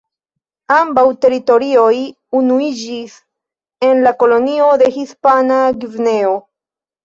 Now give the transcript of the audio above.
Ambaŭ teritorioj unuiĝis en la kolonio de Hispana Gvineo.